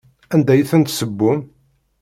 Anda i ten-tessewwem?